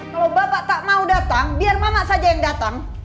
kalau bapak tak mau datang biar mama saja yang datang